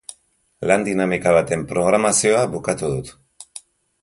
Lan-dinamika baten programazioa bukatu dut.